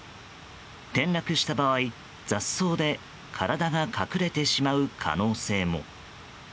転落した場合、雑草で体が隠れてしまう可能性も。